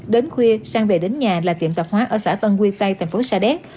đến khuya sang về đến nhà là tiệm tạp hóa ở xã tân quy tây thành phố sa đéc